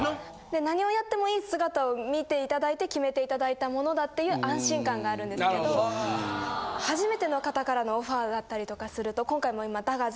何をやってもいい姿を見て頂いて決めて頂いたものだっていう安心感があるんですけど初めての方からのオファーだったりとかすると今回も今。